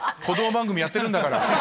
番組やってるんだから。